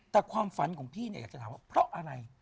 แต่ความฝันของพี่เนี่ยอยากจะถามว่าเพราะอะไร